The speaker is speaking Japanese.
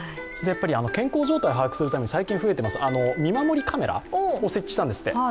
やっぱり健康状態を把握するために最近増えています、見守りカメラを設置したんですって。